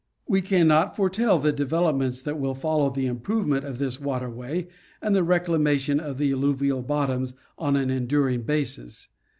We cannot foretell the developments that will follow the im provement of this water way and the reclamation of the alluvial bottoms on an enduring basis.